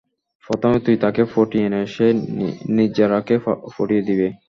প্রথমে তুই তাকে পটিয়ে নে, সে নির্জারাকে পটিয়ে দিবে।